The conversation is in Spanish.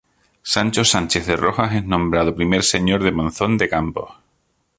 Sancho Sánchez de Rojas es nombrado I señor de Monzón de Campos.